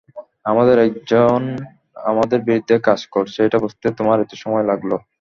আমাদেরই একজন আমাদের বিরুদ্ধে কাজ করছে এইটা বুঝতে তোমার এতো সময় লাগলো?